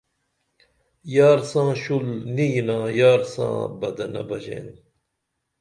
یار ساں شُل نی ینا یار ساں بدنہ بژین